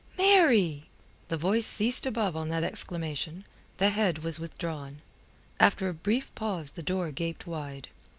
"Mary!" The voice ceased above on that exclamation, the head was withdrawn. After a brief pause the door gaped wide.